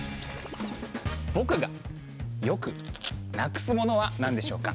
僕がよく失くすものはなんでしょうか？